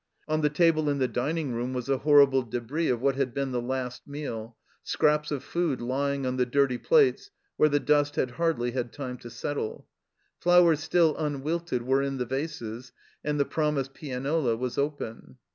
On the table in the dining room was the horrible debris of what had been the last meal, scraps of food lying on the dirty plates where the dust had hardly had time to settle. Flowers still unwilted were in the vases, and the promised pianola was open.